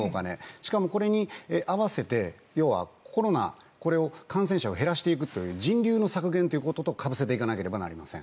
しかもこれに合わせて要はコロナこれを感染者を減らしていくという人流の削減ということとかぶせていかないといけません。